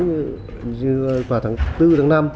như vào tháng bốn tháng năm